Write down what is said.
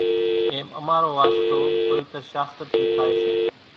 ايم امارو واسطو پويتر شاستر ٿي ٿائي سي،